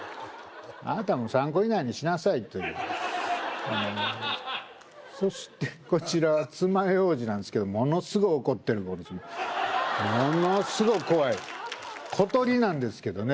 あなたも３個以内にしなさいというそしてこちらはつまようじなんですけどものすごい怒ってるこいつものすごい怖い小鳥なんですけどね